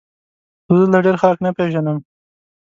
زه دلته ډېر خلک نه پېژنم ؟